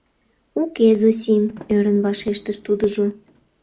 — Уке, Зосим, — ӧрын вашештыш тудыжо.